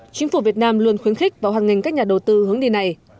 chính phủ việt nam luôn khuyến khích vào hoàn nghình các nhà đầu tư hướng đi này